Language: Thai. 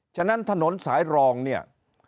ฉะนั้นถนนสายรองเนี่ย